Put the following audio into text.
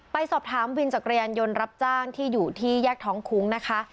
ไปสอบถามวินจักรยานยนต์รับจ้างที่อยู่ที่แยกท้องคุ้งนะคะ